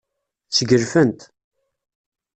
Sgelfent.